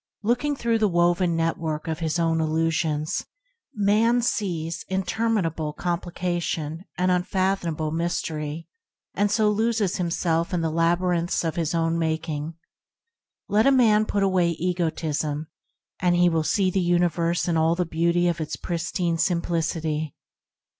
Looking through the woven network of his own illusions, man sees interminable com plication and unfathomable mystery, and so loses himself in the labyrinths of his own making. Let a man put away egotism, and he will see the universe in all the beauty of its pristine simplicity.